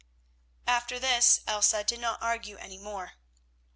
After this Elsa did not argue any more.